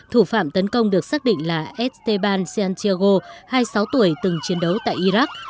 thủ phạm tấn công được xác định là esteban santiago hai mươi sáu tuổi từng chiến đấu tại iraq